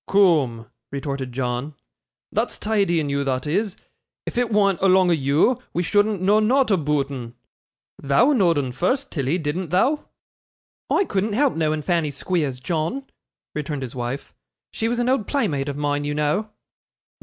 'Coom,' retorted John, 'thot's tidy in you, thot is. If it wa'nt along o' you, we shouldn't know nought aboot 'un. Thou know'd 'un first, Tilly, didn't thou?' 'I couldn't help knowing Fanny Squeers, John,' returned his wife; 'she was an old playmate of mine, you know.